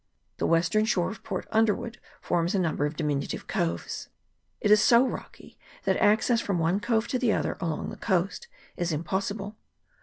The western shore of Port Underwood forms a number of diminutive coves. It is so rocky that access from one cove to the other, along the coast, is impossible.